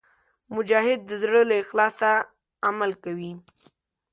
مجاهد د زړه له اخلاصه عمل کوي.